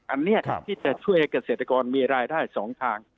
อันนี้ที่จะช่วยให้เกษตรกรมีรายได้๒ทาง